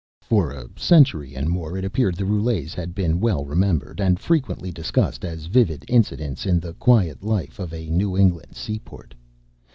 For a century and more, it appeared, the Roulets had been well remembered and frequently discussed as vivid incidents in the quiet life of a New England seaport.